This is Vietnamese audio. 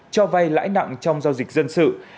cho vay lãi nặng trong giao dịch dân sự